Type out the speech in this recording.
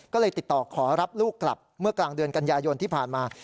ก็เลยติดต่อขอรับลูกกลับเมื่อกลางเดือนกันยายนที่ผ่านมา